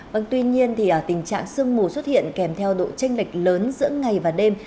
vâng tuy nhiên thì tình trạng sương mù xuất hiện kèm theo độ tranh lệch lớn giữa ngày và đêm